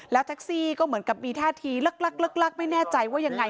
แล้วแท็กซี่ก็เหมือนกับมีท่าทีลักไม่แน่ใจว่ายังไง